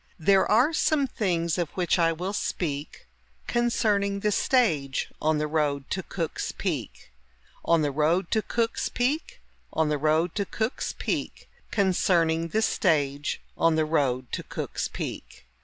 There are some things of which I will speak Concerning the stage on the road to Cook's Peak. On the road to Cook's Peak, On the road to Cook's Peak, Concerning the stage on the road to Cook's Peak.